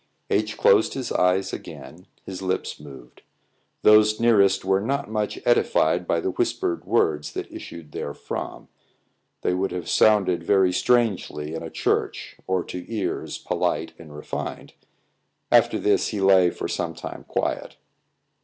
H closed his eyes again; his lips moved. Those nearest were not much edified by the whispered words that issued therefrom. They would have sounded very strangely in a church, or to ears polite and refined. After this, he lay for some time quiet.